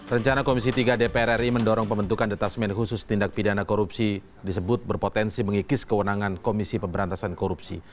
rencana komisi tiga dpr ri mendorong pembentukan detasmen khusus tindak pidana korupsi disebut berpotensi mengikis kewenangan komisi pemberantasan korupsi